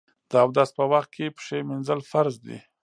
د اودس په وخت کې پښې مینځل فرض دي.